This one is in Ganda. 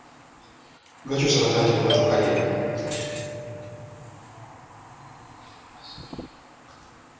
Lwaki osaba taata emmotoka ye?